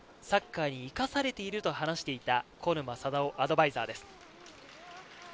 サッカーに生かされていると話していた古沼貞雄アドバイザーです。